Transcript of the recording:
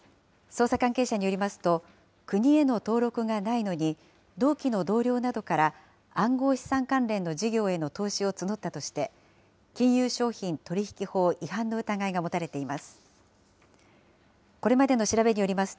捜査関係者によりますと、国への登録がないのに、同期の同僚などから暗号資産関連の事業への投資を募ったとして、金融商品取引法違反の疑いが持たれています。